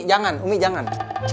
jangan umi jangan